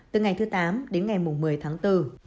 từ ngày thứ tám đến ngày một mươi tháng bốn